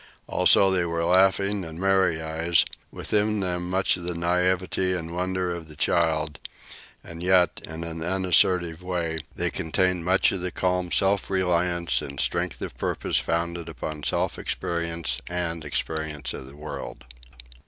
Also, they were laughing and merry eyes, within them much of the naiveté and wonder of the child; and yet, in an unassertive way, they contained much of calm self reliance and strength of purpose founded upon self experience and experience of the world.